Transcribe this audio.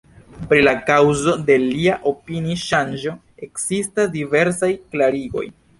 Pri la kaŭzo de lia opini-ŝanĝo ekzistas diversaj klarigoj.